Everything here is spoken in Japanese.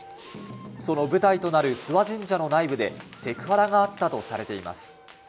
その舞台となる諏訪神社の内部でセクハラがあったとされています。